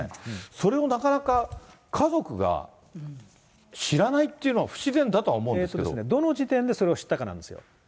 それをなかなか、家族が知らないっていうのは不自然だとは思うんどの時点でそれを知ったかなんですよ。